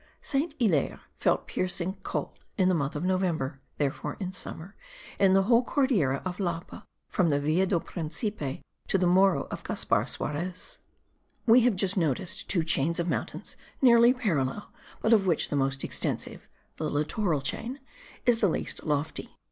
Saint Hilaire felt piercing cold in the month of November (therefore in summer) in the whole Cordillera of Lapa, from the Villa do Principe to the Morro de Gaspar Suares. We have just noticed two chains of mountains nearly parallel but of which the most extensive (the littoral chain) is the least lofty.